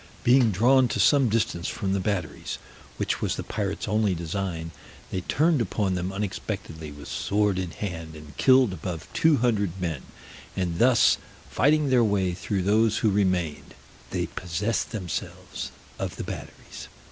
Being drawn to some distance from the batteries, which was the pirates only design, they turned upon them unexpectedly with sword in hand, and killed above two hundred men; and thus fighting their way through those who remained, they possessed themselves of the batteries.